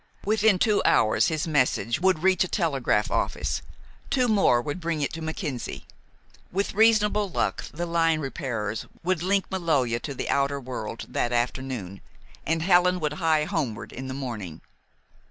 Within two hours his message would reach a telegraph office. Two more would bring it to Mackenzie. With reasonable luck, the line repairers would link Maloja to the outer world that afternoon, and Helen would hie homeward in the morning.